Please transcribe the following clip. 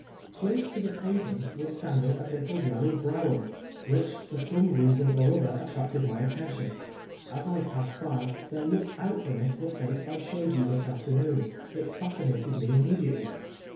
Close to the pavement was standing a little yellow brougham, which, for some reason or other, attracted my attention. As I passed by there looked out from it the face I showed you this afternoon. It fascinated me immediately.